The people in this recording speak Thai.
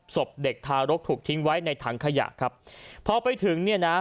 ศพเด็กทารกถูกทิ้งไว้ในถังขยะครับพอไปถึงเนี่ยนะ